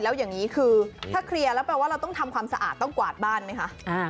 แล้วอย่างนี้คือถ้าเคลียร์แล้วแปลว่าเราต้องทำความสะอาดต้องกวาดบ้านไหมคะ